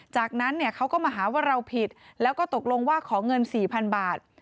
จากนั้นเขาก็มาหาว่าเราผิดแล้วก็ตกลงว่าขอเงิน๔๐๐๐บาท